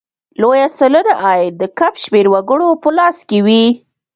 لویه سلنه عاید د کم شمېر وګړو په لاس کې وي.